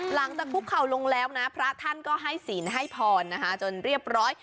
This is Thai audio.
หลังจากคุกเข่าลงแล้วนะพระท่านก็ให้ศีลให้พรนะคะจนเรียบร้อย